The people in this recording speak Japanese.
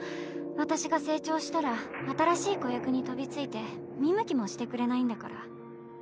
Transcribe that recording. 私が成長したら新しい子役に飛びついて見向きもしてくれないんだから。